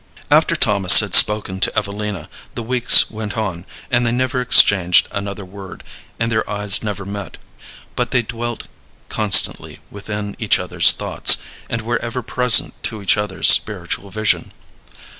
After Thomas had spoken to Evelina the weeks went on, and they never exchanged another word, and their eyes never met. But they dwelt constantly within each other's thoughts, and were ever present to each other's spiritual vision.